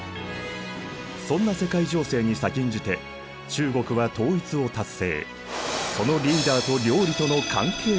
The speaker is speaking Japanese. そんな世界情勢に先んじて中国は統一を達成。